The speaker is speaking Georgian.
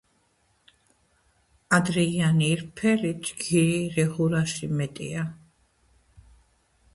ადრეიანი ირფელი ჯგირი რე ღურაში მეტია